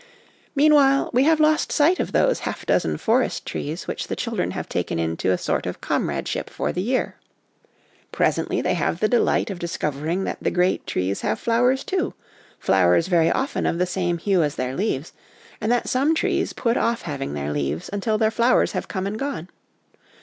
Meanwhile, we have lost sight of those half dozen forest trees which the children have taken into a sort of comradeship for the year. Presently they have 54 HOME EDUCATION the delight of discovering that the great trees have flowers, too, flowers very often of the same hue as their leaves, and that some trees put off having their leaves until their flowers have come and gone.